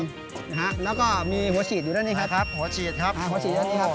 นะฮะแล้วก็มีหัวฉีดอยู่ด้านนี้ครับนะครับหัวฉีดครับหัวฉีดอยู่ด้านนี้ครับ